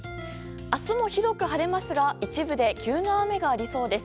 明日も広く晴れますが一部で急な雨がありそうです。